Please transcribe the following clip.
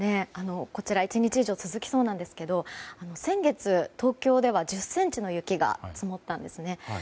１日以上続きそうなんですが先月、東京では１０ｃｍの雪が積もったんですね。